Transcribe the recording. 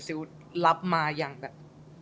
ซิลรับมาอย่างแบบ